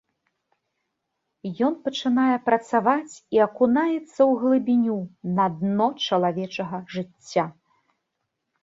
Ён пачынае працаваць і акунаецца ў глыбіню, на дно чалавечага жыцця.